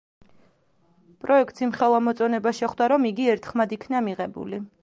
პროექტს იმხელა მოწონება შეხვდა, რომ იგი ერთხმად იქნა მიღებული.